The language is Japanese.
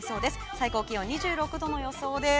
最高気温２６度の予想です。